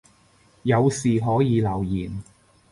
有事可以留言